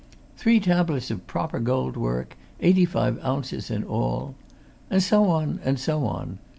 Three tablets of proper gold work, eighty five ounces in all. And so on and so on!